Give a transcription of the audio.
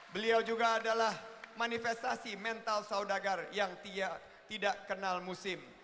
beliau juga adalah manifestasi mental saudagar yang tidak kenal musim